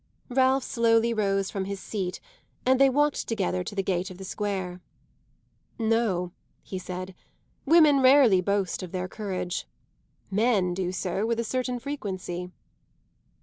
Ralph slowly rose from his seat and they walked together to the gate of the square. "No," he said; "women rarely boast of their courage. Men do so with a certain frequency."